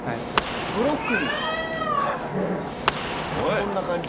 ブロックに、こんな感じ。